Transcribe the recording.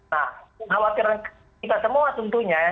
nah khawatiran kita semua tentunya ya